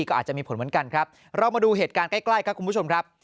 ก็อาจจะมีผลเหมือนกันครับเรามาดูเหตุการณ์ใกล้ครับคุณผู้ชมครับ